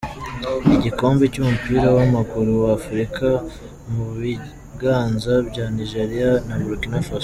Igikombe cy’umupira wa maguru wa afurika mu biganza bya Nigeria na Burkina Faso